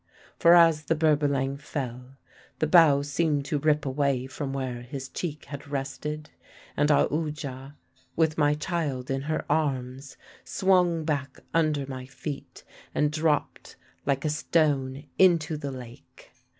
For as the Berbalang fell, the bough seemed to rip away from where his cheek had rested, and Aoodya, with my child in her arms, swung back under my feet and dropped like a stone into the lake.